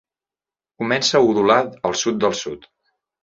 Comença a udolar al sud del sud.